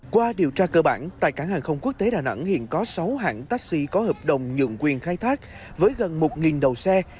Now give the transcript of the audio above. qua điều tra cơ bản tại cảng hàng không quốc tế đà nẵng hiện có sáu hãng taxi có hợp đồng nhượng quyền khai thác với gần một đầu xe